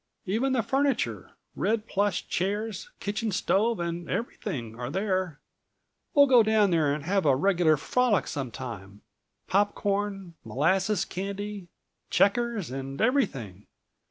Even the furniture, red plush chairs, kitchen stove and everything, are there. We'll go down there and have a regular frolic sometime, popcorn, molasses candy, checkers and everything.